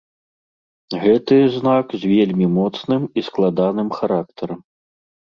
Гэты знак з вельмі моцным і складаным характарам.